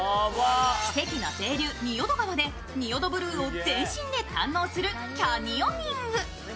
奇跡の清流・仁淀川で仁淀ブルーを全身で堪能するキャニオニング。